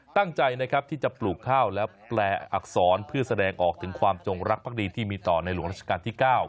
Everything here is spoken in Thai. ตั้งใจนะครับที่จะปลูกข้าวและแปลอักษรเพื่อแสดงออกถึงความจงรักภักดีที่มีต่อในหลวงราชการที่๙